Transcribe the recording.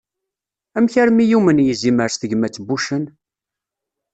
Amek armi yumen yizimer s tegmat n wuccen?